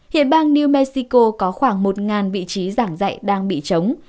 hiện bang new mexico có khoảng một vị trí giảng dạy đang bị chống